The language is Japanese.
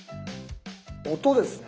「音」ですね。